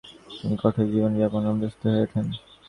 তিনি কঠোর জীবন যাপনে অভ্যস্ত হয়ে ওঠেন।